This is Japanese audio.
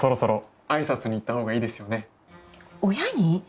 親に？